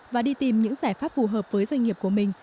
và đi tìm những giải pháp phù hợp với doanh nghiệp của mình